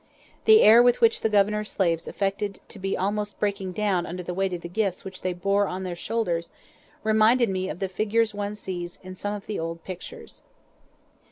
The air with which the Governor's slaves affected to be almost breaking down under the weight of the gifts which they bore on their shoulders, reminded me of the figures one sees in some of the old pictures.